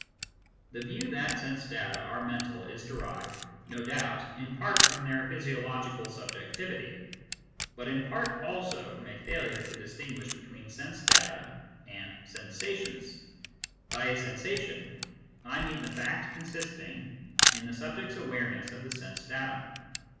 The view that sense data are mental is derived, no doubt, in part from their physiological subjectivity, but in part also from a failure to distinguish between sense data and " sensations." By a sensation I mean the fact consisting in the subject s awareness of the sense datum.